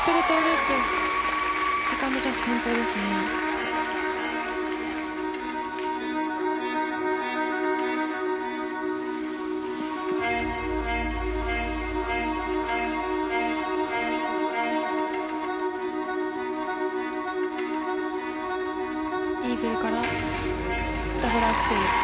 イーグルからダブルアクセル。